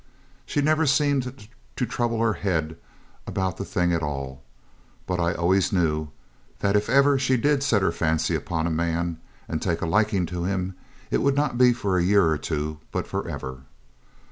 She never seemed to trouble her head about the thing at all, but I always knew that if ever she did set her fancy upon a man, and take a liking to him, it would not be for a year or two, but for ever.